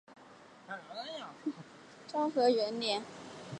昭和元年并新建庙宇。